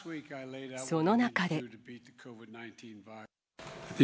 その中で。